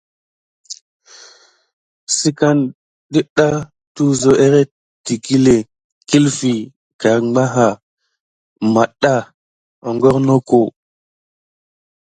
Sikane ɗiɗa tiso érente tikilé, kilfi karbanga, metda hogornoko.